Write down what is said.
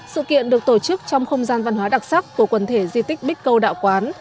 sự kiện được tổ chức trong không gian văn hóa đặc sắc của quần thể di tích bích câu đạo quán